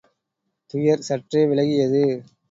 துயர் சற்றே விலகியது.